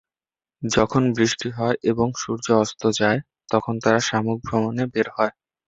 যখন বৃষ্টি হয় এবং সূর্য অস্ত যায়, তখন তারা শামুক ভ্রমণে বের হয়।